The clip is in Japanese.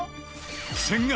千賀